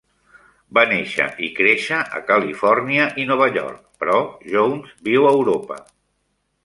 Va néixer i créixer a Califòrnia i Nova York, però Jones viu a Europa.